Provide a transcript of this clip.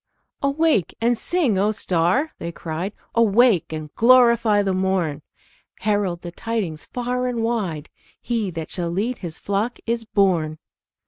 "Awake and sing, O star!" they cried. "Awake and glorify the morn! Herald the tidings far and wide He that shall lead His flock is born!"